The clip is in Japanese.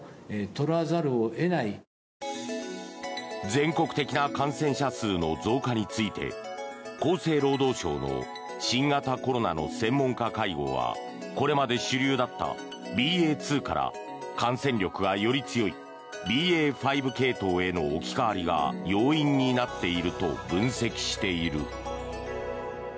全国的な感染者数の増加について厚生労働省の新型コロナの専門家会合はこれまで主流だったＢＡ．２から感染力がより強いＢＡ．５系統への置き換わりが要因になっていると分析している。